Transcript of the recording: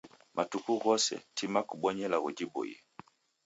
Matuku ghose, tima kubonya ilagho jipoiye.